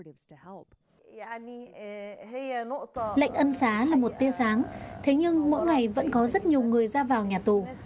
lệnh ân xá là một tia sáng thế nhưng mỗi ngày vẫn có rất nhiều người ra vào nhà tù